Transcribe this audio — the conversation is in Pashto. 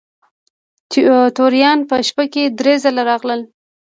توریان په شپه کې درې ځله راغلل.